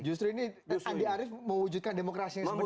justru ini andi arief mewujudkan demokrasi yang sebelumnya